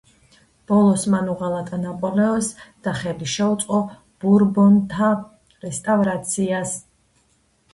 ბოლოს მან უღალატა ნაპოლეონს და ხელი შეუწყო ბურბონთა რესტავრაციას.